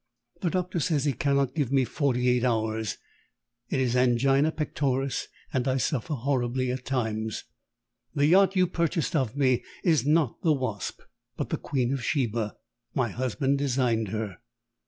The doctor says he cannot give me forty eight hours. It is angina pectoris, and I suffer horribly at times. The yacht you purchased of me is not the Wasp, but the Queen of Sheba. My husband designed her.